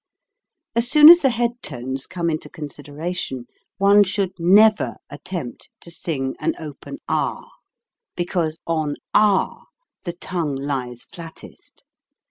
As soon as the head tones come into con sideration, one should never attempt to sing an open ah, because on ah the tongue lies flattest.